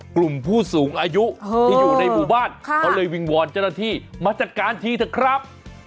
กลุ่มผู้สูงอายุที่อยู่ในหมู่บ้านเขาเลยวิงวอนเจ้าหน้าที่มาจัดการทีเถอะครับ